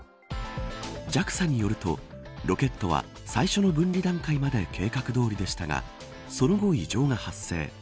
ＪＡＸＡによるとロケットは、最初の分離段階まで計画どおりでしたがその後、異常が発生。